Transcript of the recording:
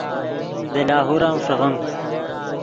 دے لاہور ام ݰیغیم